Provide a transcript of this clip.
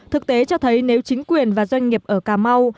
thực tế cho thấy nếu chính quyền và doanh nghiệp ở cà mau